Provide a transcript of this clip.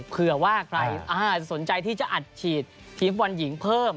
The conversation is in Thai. เผื่อว่าใครสนใจที่จะอัดฉีดทีมฟุตบอลหญิงเพิ่ม